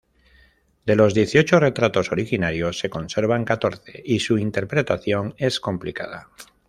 De los dieciocho retratos originarios, se conservan catorce y su interpretación es complicada.